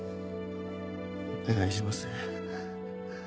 お願いします。